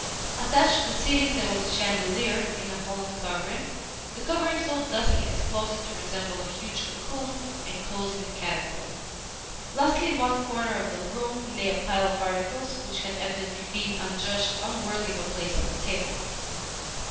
Attached to the ceiling there was a chandelier in a holland covering the covering so dusty as closely to resemble a huge cocoon enclosing a caterpillar. Lastly, in one corner of the room lay a pile of articles which had evidently been adjudged unworthy of a place on the table.